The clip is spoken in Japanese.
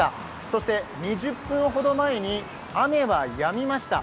そして２０分ほど前に雨はやみました。